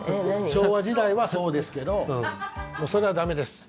昭和時代はそうですけどそれは駄目です。